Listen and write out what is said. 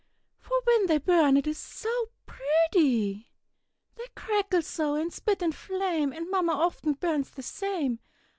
For when they burn it is so pretty; They crackle so, and spit, and flame; And Mamma often burns the same.